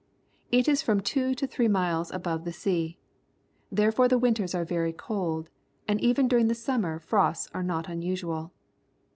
It is from two to three miles above the sea. Therefore the winters are very cold, and even during the summer frosts are not unusual.